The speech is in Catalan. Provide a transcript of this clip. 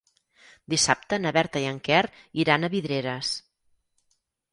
Dissabte na Berta i en Quer iran a Vidreres.